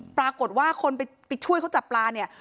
ปรากฏว่าคนไปช่วยเขาจับปลาเนี่ย